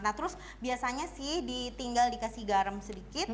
nah terus biasanya sih ditinggal dikasih garam sedikit